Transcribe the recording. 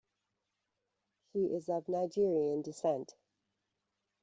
She is of Nigerian descent.